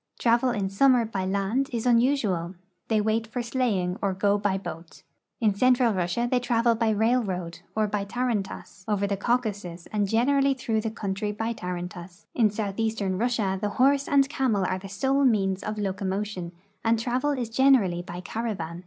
Travel in summer by land is unusual ; they wait for sleighing or go by boat. In central Russia they travel by railroad or 24 RUSSIA IX EUROPE tarantass ; over the Caucasus and generally through the country by tarantass. In southeastern Russia the horse and camel are the sole means of locomotion, and travel is generally l)y caravan.